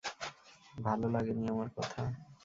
ভালো লাগেনি আমার কথা?